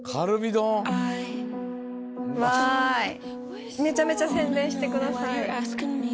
・わい・めちゃめちゃ宣伝してください。